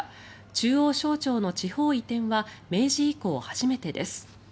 中央省庁の地方移転は明治以降初めてです。